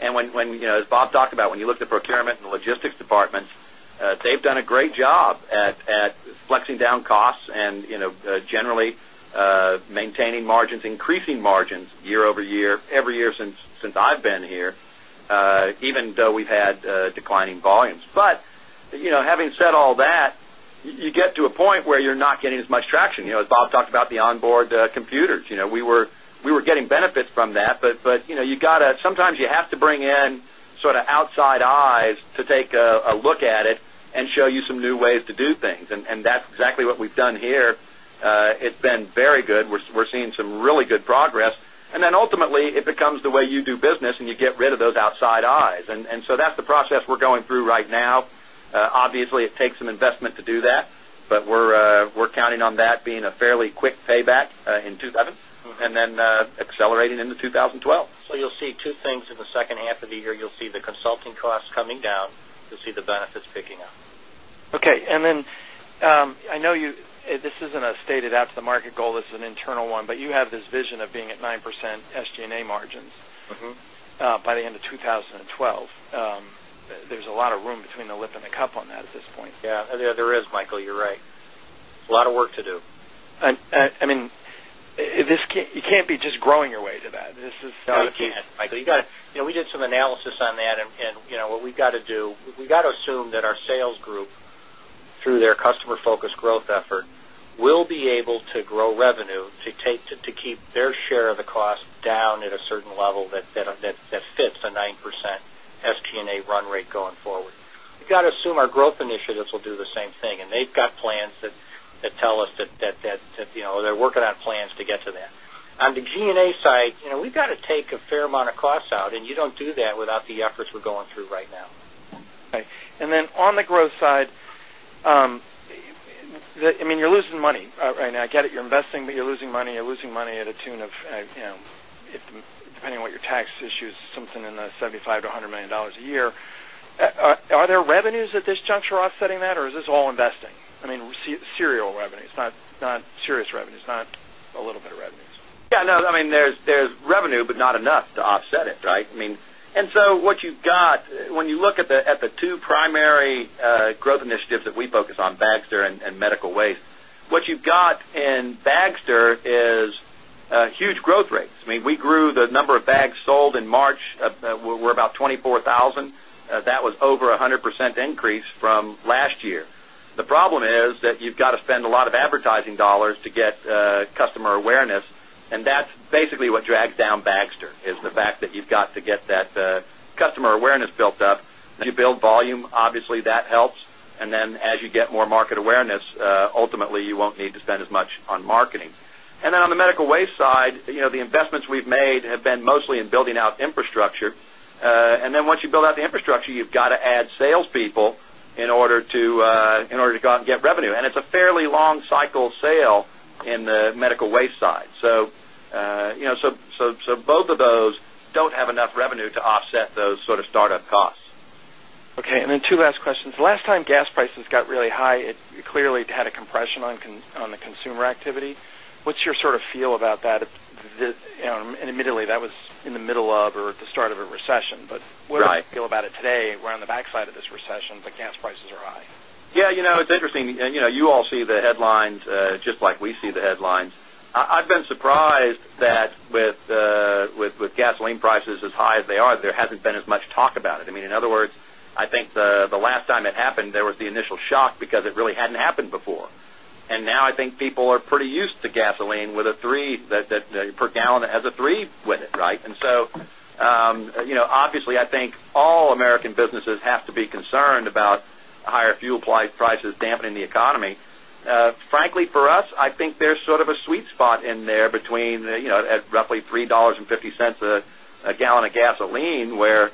When, as Bob talked about, when you look at the procurement and the logistics departments, they've done a great job at flexing down costs and generally maintaining margins, increasing margins year-over-year, every year since I've been here, even though we've had declining volumes. Having said all that, you get to a point where you're not getting as much traction. As Bob talked about the onboard computers, we were getting benefits from that. Sometimes you have to bring in sort of outside eyes to take a look at it and show you some new ways to do things. That's exactly what we've done here. It's been very good. We're seeing some really good progress. Ultimately, it becomes the way you do business and you get rid of those outside eyes. That's the process we're going through right now. Obviously, it takes some investment to do that, but we're counting on that being a fairly quick payback in 2011 and then accelerating into 2012. You'll see two things in the second half of the year. You'll see the consulting cost coming down. You'll see the benefits picking up. Okay. I know this isn't a stated after-the-market goal. This is an internal one, but you have this vision of being at 9% SG&A margins by the end of 2012. There's a lot of room between the lip and the cup on that at this point. Yeah, there is, Michael, you're right. A lot of work to do. I mean, you can't be just growing your way to that. No, I can't, Michael. You got to, you know, we did some analysis on that, and what we've got to do, we've got to assume that our sales group, through their customer-focused growth effort, will be able to grow revenue to keep their share of the cost down at a certain level that fits a 9% SG&A run rate going forward. We've got to assume our growth initiatives will do the same thing. They've got plans that tell us that they're working on plans to get to that. On the G&A side, we've got to take a fair amount of costs out, and you don't do that without the efforts we're going through right now. On the growth side, you're losing money right now. I get it. You're investing, but you're losing money. You're losing money at a tune of, you know, depending on what your tax issues, something in the $75 million-$100 million a year. Are there revenues at this juncture offsetting that, or is this all investing? I mean, serial revenues, not serious revenues, not a little bit of revenues. Yeah, no, I mean, there's revenue, but not enough to offset it, right? I mean, when you look at the two primary growth initiatives that we focus on, Bagster and medical waste, what you've got in Bagster is huge growth rates. I mean, we grew the number of bags sold in March. We're about 24,000. That was over a 100% increase from last year. The problem is that you've got to spend a lot of advertising dollars to get customer awareness, and that's basically what drags down Bagster, is the fact that you've got to get that customer awareness built up. You build volume, obviously, that helps. As you get more market awareness, ultimately, you won't need to spend as much on marketing. On the medical waste side, the investments we've made have been mostly in building out infrastructure. Once you build out the infrastructure, you've got to add salespeople in order to go out and get revenue. It's a fairly long cycle sale in the medical waste side. Both of those don't have enough revenue to offset those sort of startup costs. Okay. Two last questions. The last time gas prices got really high, it clearly had a compression on the consumer activity. What's your sort of feel about that? Admittedly, that was in the middle of or at the start of a recession, but what do you feel about it today? We're on the backside of this recession, but gas prices are high. Yeah, you know, it's interesting. You all see the headlines just like we see the headlines. I've been surprised that with gasoline prices as high as they are, there hasn't been as much talk about it. I mean, in other words, I think the last time it happened, there was the initial shock because it really hadn't happened before. Now I think people are pretty used to gasoline with a $3 per gallon, has a three with it, right? Obviously, I think all American businesses have to be concerned about higher fuel prices dampening the economy. Frankly, for us, I think there's sort of a sweet spot in there between, you know, at roughly $3.50 a gallon of gasoline, where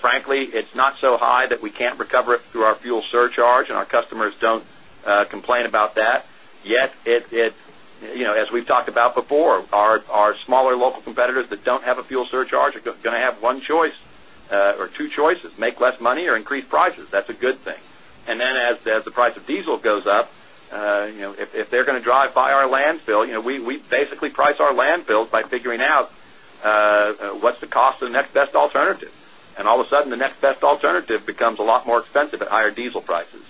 frankly, it's not so high that we can't recover it through our fuel surcharge and our customers don't complain about that. Yet, it's, you know, as we've talked about before, our smaller local competitors that don't have a fuel surcharge are going to have one choice or two choices: make less money or increase prices. That's a good thing. As the price of diesel goes up, if they're going to drive by our landfill, we basically price our landfills by figuring out what's the cost of the next best alternative. All of a sudden, the next best alternative becomes a lot more expensive at higher diesel prices.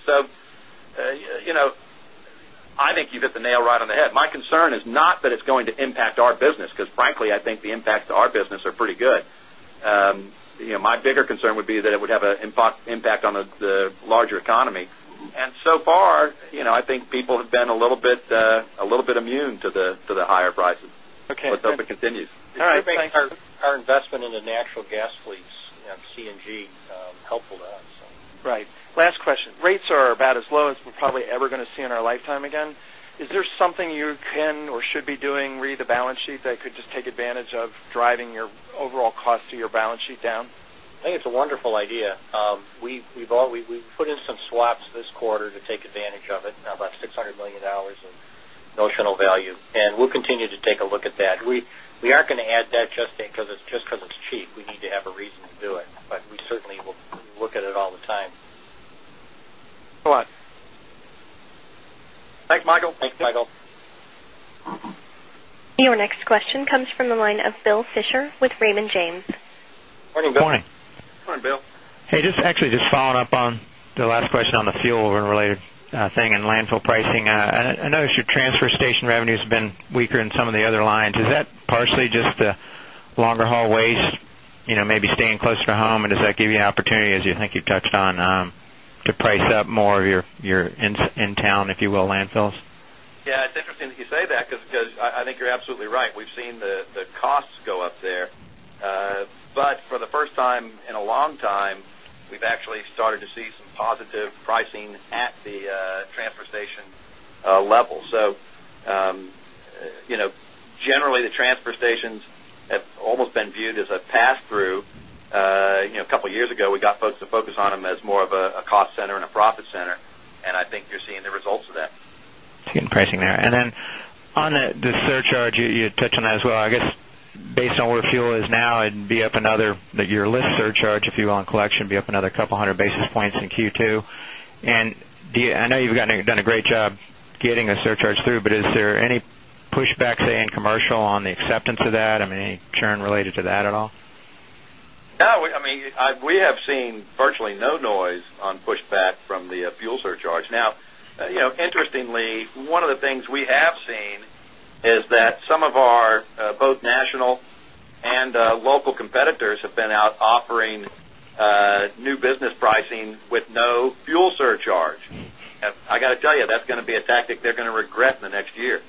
I think you've hit the nail right on the head. My concern is not that it's going to impact our business because frankly, I think the impacts to our business are pretty good. My bigger concern would be that it would have an impact on the larger economy. So far, I think people have been a little bit immune to the higher prices. Okay. It continues. All right. Our investment in the natural gas fleets of CNG is helpful to us. Right. Last question. Rates are about as low as we're probably ever going to see in our lifetime again. Is there something you can or should be doing, read the balance sheet, that could just take advantage of driving your overall cost to your balance sheet down? I think it's a wonderful idea. We've put in some swaps this quarter to take advantage of it, about $600 million of notional value. We'll continue to take a look at that. We aren't going to add that just because it's cheap. We need to have a reason to do it. We certainly will look at it all the time. Alright. Thanks, Michael. Thanks, Michael. Your next question comes from the line of Bill Fisher with Raymond James. Morning. Morning. Morning, Bill. Hey, just following up on the last question on the fuel and related thing and landfill pricing. I noticed your transfer station revenue has been weaker in some of the other lines. Is that partially just the longer haul waste, you know, maybe staying closer to home? Does that give you an opportunity, as you think you've touched on, to price up more of your in-town, if you will, landfills? It's interesting that you say that because I think you're absolutely right. We've seen the costs go up there. For the first time in a long time, we've actually started to see some positive pricing at the transfer station level. Generally, the transfer stations have almost been viewed as a pass-through. A couple of years ago, we got folks to focus on them as more of a cost center and a profit center. I think you're seeing the results of that. Seeing pricing there. On the surcharge, you touched on that as well. I guess based on where fuel is now and be up another, that your fuel surcharge, if you will, on collection, be up another couple hundred basis points in Q2. I know you've done a great job getting a surcharge through, but is there any pushback, say, in commercial on the acceptance of that? I mean, any churn related to that at all? I mean, we have seen virtually no noise on pushback from the fuel surcharge. Now, you know, interestingly, one of the things we have seen is that some of our both national and local competitors have been out offering new business pricing with no fuel surcharge. I got to tell you, that's going to be a tactic they are going to regret in the next year.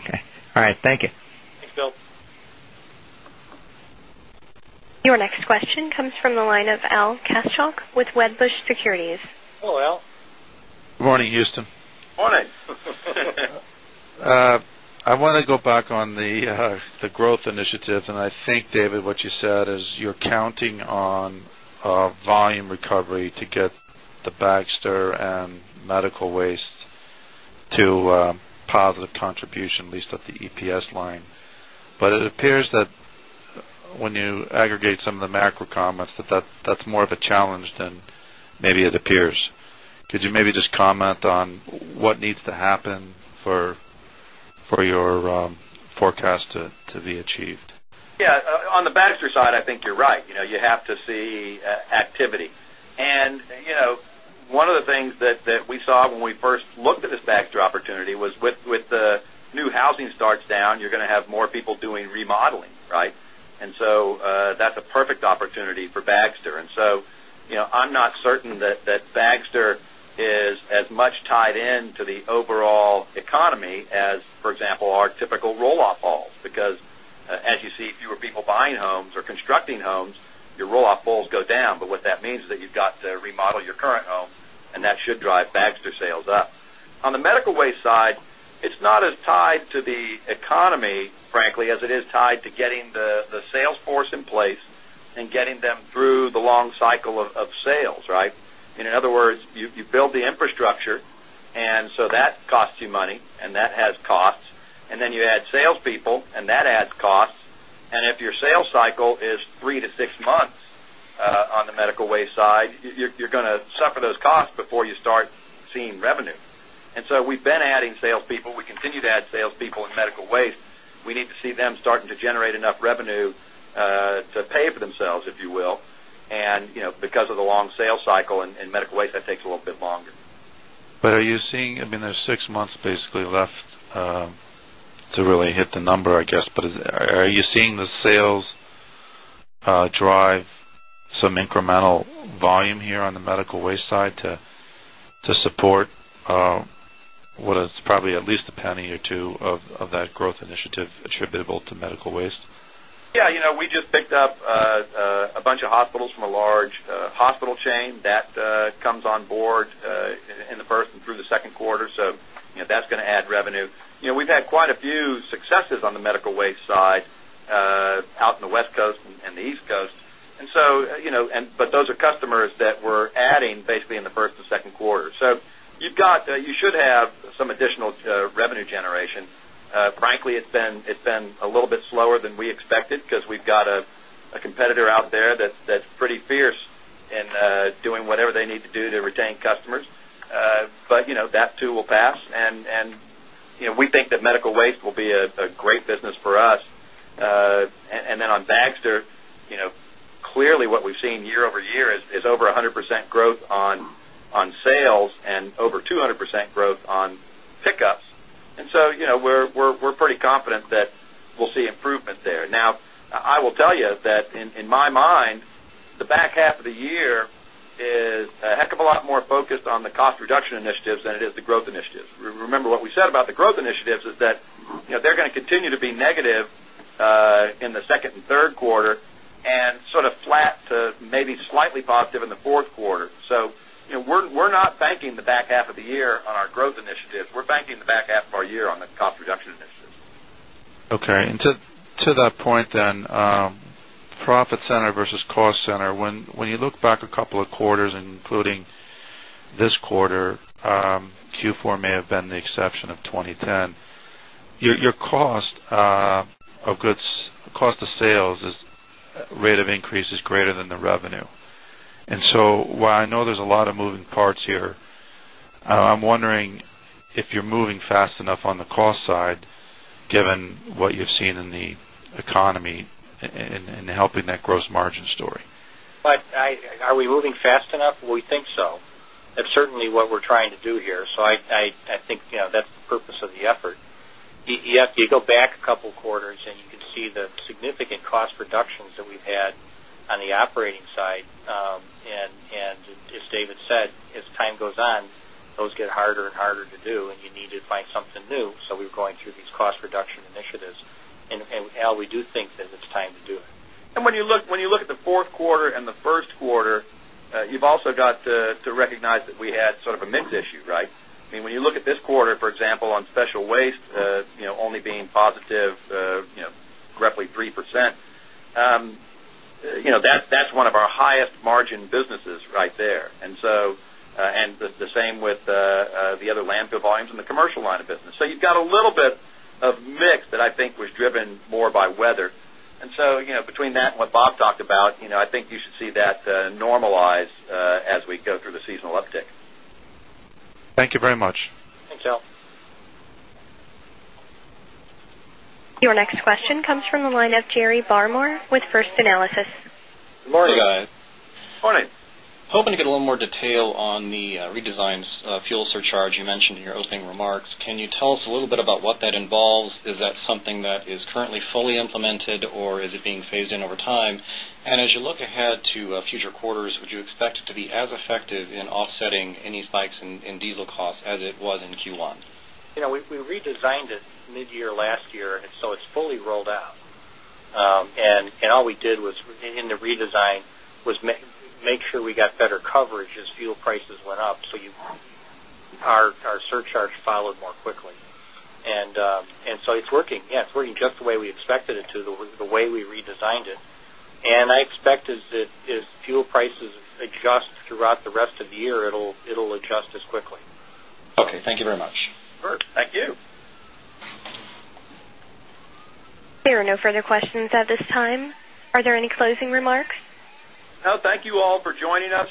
Okay. All right. Thank you. Thanks, Bill. Your next question comes from the line of Al Kaschalk with Wedbush Securities. Hello, Al. Morning, Houston. Morning! I want to go back on the growth initiative, and I think, David, what you said is you're counting on a volume recovery to get the Bagster and medical waste to a positive contribution, at least at the EPS line. It appears that when you aggregate some of the macro comments, that's more of a challenge than maybe it appears. Could you maybe just comment on what needs to happen for your forecast to be achieved? Yeah, on the Bagster side, I think you're right. You have to see activity. One of the things that we saw when we first looked at this Bagster opportunity was with the new housing starts down, you're going to have more people doing remodeling, right? That's a perfect opportunity for Bagster. I'm not certain that Bagster is as much tied into the overall economy as, for example, our typical rollout balls. As you see fewer people buying homes or constructing homes, your rollout balls go down. What that means is that you've got to remodel your current home, and that should drive Bagster sales up. On the medical waste side, it's not as tied to the economy, frankly, as it is tied to getting the salesforce in place and getting them through the long cycle of sales, right? In other words, you build the infrastructure, and that costs you money, and that has costs. Then you add salespeople, and that adds costs. If your sales cycle is three to six months on the medical waste side, you're going to suffer those costs before you start seeing revenue. We've been adding salespeople. We continue to add salespeople in medical waste. We need to see them starting to generate enough revenue to pay for themselves, if you will. Because of the long sales cycle in medical waste, that takes a little bit longer. Are you seeing, I mean, there's six months basically left to really hit the number, I guess, are you seeing the sales drive some incremental volume here on the medical waste side to support what is probably at least a penny or two of that growth initiative attributable to medical waste? Yeah, you know, we just picked up a bunch of hospitals from a large hospital chain. That comes on board in the first and through the second quarter. That's going to add revenue. We've had quite a few successes on the medical waste side out in the West Coast and the East Coast. Those are customers that we're adding basically in the first and second quarter. You should have some additional revenue generation. Frankly, it's been a little bit slower than we expected because we've got a competitor out there that's pretty fierce in doing whatever they need to do to retain customers. That too will pass. We think that medical waste will be a great business for us. On Bagster, clearly what we've seen year-over-year is over 100% growth on sales and over 200% growth on pickups. We're pretty confident that we'll see improvements there. I will tell you that in my mind, the back half of the year is a heck of a lot more focused on the cost reduction initiatives than it is the growth initiatives. Remember what we said about the growth initiatives is that they're going to continue to be negative in the second and third quarter and sort of flat to maybe slightly positive in the fourth quarter. We're not banking the back half of the year on our growth initiatives. We're banking the back half of our year on the cost reduction initiatives. Okay. To that point, profit center versus cost center, when you look back a couple of quarters, including this quarter, Q4 may have been the exception of 2010, your cost of goods, cost of sales rate of increase is greater than the revenue. While I know there's a lot of moving parts here, I'm wondering if you're moving fast enough on the cost side, given what you've seen in the economy and helping that gross margin story. Are we moving fast enough? We think so. That's certainly what we're trying to do here. I think that's the purpose of the effort. You have to go back a couple of quarters, and you can see the significant cost reductions that we've had on the operating side. As David said, as time goes on, those get harder and harder to do, and you need to find something new. We were going through these cost reduction initiatives. Al, we do think that it's time to do it. When you look at the fourth quarter and the first quarter, you've also got to recognize that we had sort of a mix issue, right? When you look at this quarter, for example, on special waste, only being positive, roughly 3%. That's one of our highest margin businesses right there, and the same with the other landfill volumes in the commercial line of business. You've got a little bit of mix that I think was driven more by weather. Between that and what Bob talked about, I think you should see that normalize as we go through the seasonal uptick. Thank you very much. Thanks, Al. Your next question comes from the line of Jerry Barmore with First Analysis. Morning, guys. Morning. Hoping to get a little more detail on the redesigned fuel surcharge you mentioned in your opening remarks. Can you tell us a little bit about what that involves? Is that something that is currently fully implemented, or is it being phased in over time? As you look ahead to future quarters, would you expect it to be as effective in offsetting any spikes in diesel costs as it was in Q1? We redesigned it mid-year last year, and so it's fully rolled out. All we did in the redesign was make sure we got better coverage as fuel prices went up, so our fuel surcharge followed more quickly. It's working just the way we expected it to, the way we redesigned it. I expect as fuel prices adjust throughout the rest of the year, it'll adjust as quickly. Okay, thank you very much. Sure, thank you. There are no further questions at this time. Are there any closing remarks? Thank you all for joining us.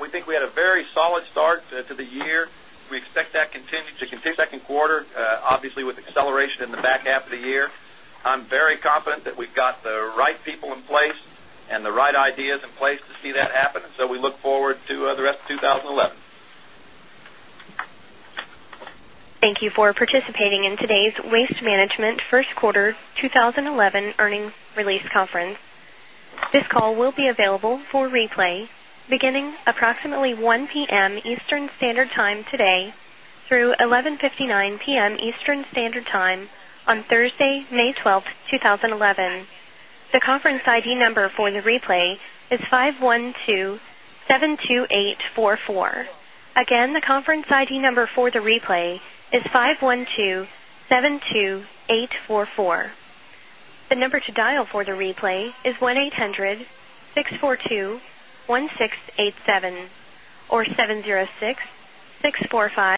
We think we had a very solid start to the year. We expect that to continue the second quarter, obviously with acceleration in the back half of the year. I'm very confident that we've got the right people in place and the right ideas in place to see that happen. We look forward to the rest of 2011. Thank you for participating in today's Waste Management First Quarter 2011 Earnings Release Conference. This call will be available for replay beginning approximately 1:00 P.M. Eastern Standard Time today through 11:59 P.M. Eastern Standard Time on Thursday, May 12, 2011. The conference ID number for the replay is 512-72844. Again, the conference ID number for the replay is 512-72844. The number to dial for the replay is 1-800-642-1687 or 706-645.